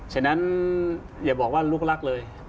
ฉะนั้นอย่าบอกว่าลูกรักเลย